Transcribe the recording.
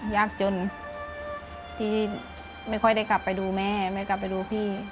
ยากจนที่ไม่ค่อยได้กลับไปดูแม่ไม่กลับไปดูพี่